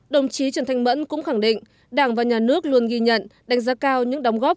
đồng chí trần thanh mẫn cũng khẳng định đảng và nhà nước luôn ghi nhận đánh giá cao những đóng góp